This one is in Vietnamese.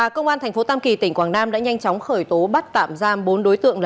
công an tp tam kỳ tỉnh quảng nam đã nhanh chóng khởi tố bắt tạm giam bốn đối tượng